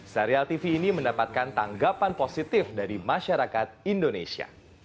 serial tv ini mendapatkan tanggapan positif dari masyarakat indonesia